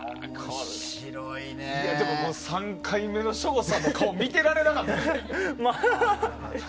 でも、３回目の省吾さんの顔見てられなかったな。